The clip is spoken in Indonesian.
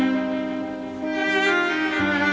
kenapa andin udah tidur sih